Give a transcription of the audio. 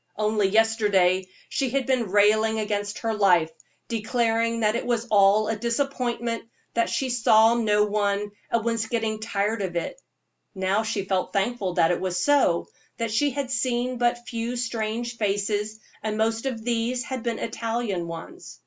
Only yesterday she had been railing against her life, declaring that it was all a disappointment, that she saw no one, and was getting tired of it; now she felt thankful that it was so, that she had seen but few strange faces, and most of these had been Italian ones.